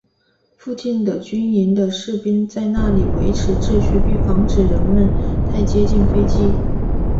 附近军营的士兵在那里维持秩序并防止人们太接近飞机。